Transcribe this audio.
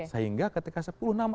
sehingga ketika sepuluh nama